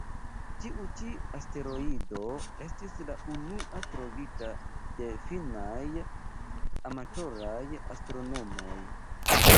Tiu-ĉi asteroido estis la unua trovita de finnaj amatoraj astronomoj.